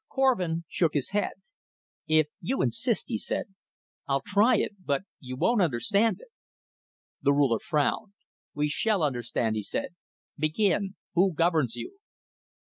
Korvin shook his head. "If you insist," he said, "I'll try it. But you won't understand it." The Ruler frowned. "We shall understand," he said. "Begin. Who governs you?"